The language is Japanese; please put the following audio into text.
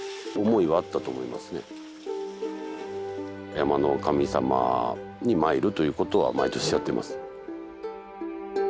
山の神様に参るということは毎年やっています。